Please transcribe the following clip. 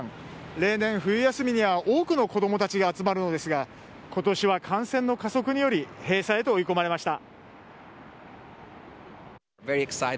例年、冬休みには多くの子どもたちが集まるのですが、ことしは感染の加速により、閉鎖へと追い込まれました。